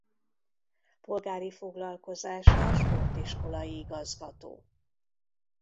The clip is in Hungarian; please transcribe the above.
Polgári foglalkozása sportiskolai igazgató.